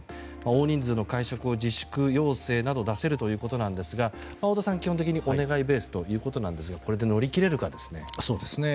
大人数の会食を自粛要請など出せるということなんですが太田さん、基本的にお願いベースということですがこれで乗り切れるかですね。